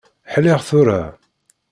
Ḥliɣ tura.